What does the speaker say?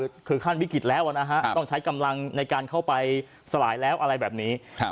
คือขั้นวิกฤตแล้วนะฮะต้องใช้กำลังในการเข้าไปสลายแล้วอะไรแบบนี้